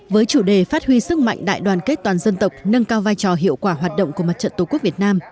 với chủ đề phát huy sức mạnh đại đoàn kết toàn dân tộc nâng cao vai trò hiệu quả hoạt động của mặt trận tổ quốc việt nam